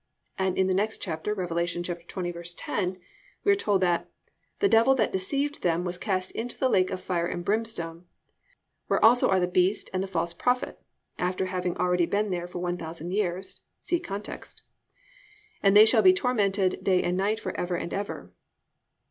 And in the next chapter, Rev. 20:10, we are told that +"The devil that deceived them was cast into the lake of fire and brimstone, where are also the beast and the false prophet+ (after having already been there for one thousand years, see context); +and they shall be tormented day and night for ever and ever."